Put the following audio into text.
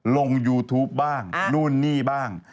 ลงยูทูปบ้างนู่นนี่บ้าง